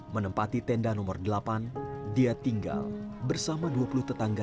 menempati tenda nomor delapan dia tinggal bersama dua puluh tetangga